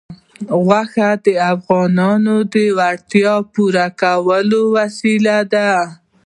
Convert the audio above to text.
غوښې د افغانانو د اړتیاوو د پوره کولو وسیله ده.